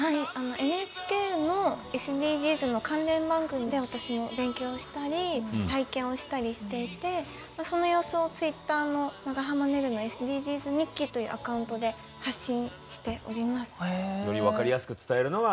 ＮＨＫのＳＤＧｓの関連番組で私も勉強したり体験をしたりしていてその様子をツイッターの「長濱ねるのＳＤＧｓ日記」というアカウントで発信しております。